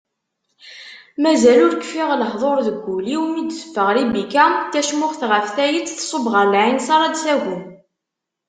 Mazal ur kfiɣ lehduṛ deg wul-iw, mi d-teffeɣ Ribika, tacmuxt ɣef tayet, tṣubb ɣer lɛinseṛ ad d-tagwem.